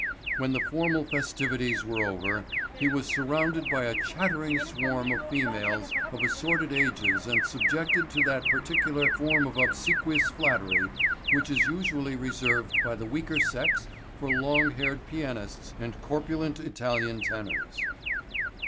When the formal festivities were over he was surrounded by a chattering swarm of females of assorted ages and subjected to that particular form of obsequious flattery which is usually reserved by the weaker sex for long haired pianists and corpulent Italian tenors.